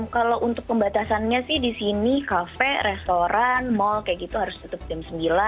kalau untuk pembatasannya sih di sini kafe restoran mall kayak gitu harus tutup jam sembilan